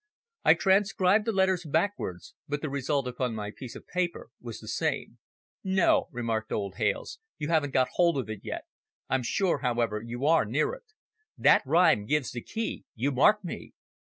I transcribed the letters backwards, but the result upon my piece of paper was the same. "No," remarked old Hales, "you haven't got hold of it yet. I'm sure, however, you are near it. That rhyme gives the key you mark me."